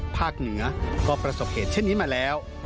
เหนือก็ประสบเหตุเช่นนี้มาแล้ว